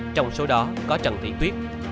trong số đó có trần thị tuyết